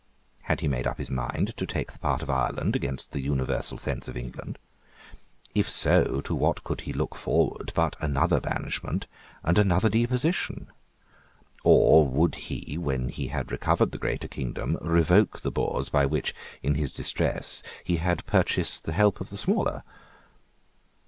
Had he made up his mind to take the part of Ireland against the universal sense of England? If so, to what could he look forward but another banishment and another deposition? Or would he, when he had recovered the greater kingdom, revoke the boors by which, in his distress, he had purchased the help of the smaller?